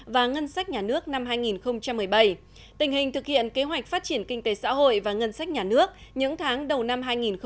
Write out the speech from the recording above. và ngân sách nhà nước năm hai nghìn một mươi bảy tình hình thực hiện kế hoạch phát triển kinh tế xã hội và ngân sách nhà nước những tháng đầu năm hai nghìn một mươi chín